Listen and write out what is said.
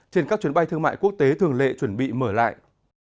trên các chuyến bay thương mại quốc tế thường lệ chuẩn bị mở lại